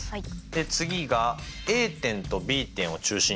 次がＡ点とＢ点を中心にですね